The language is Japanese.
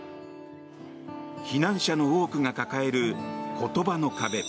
避難者の多くが抱える言葉の壁。